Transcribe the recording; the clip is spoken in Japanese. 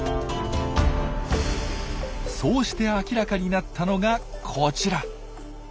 そうして明らかになったのがこちら。